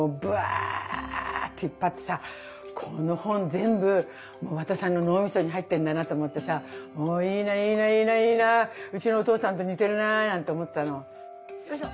そしたらこの本全部和田さんの脳みそに入ってんだなと思ってさいいないいないいないいなうちのお父さんと似てるななんて思ったの。